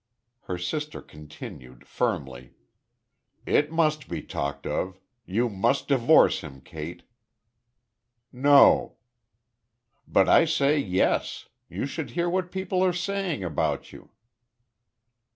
Her sister continued, firmly: "It must be talked of.... You must divorce him, Kate." "No!" "But I say, 'Yes!' You should hear what people are saying about you."